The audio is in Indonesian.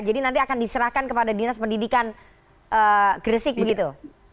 jadi nanti akan diserahkan kepada dinas pendidikan gresik begitu